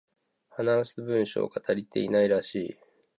話す文章が足りていないらしい